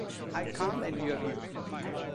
I can’t endure you!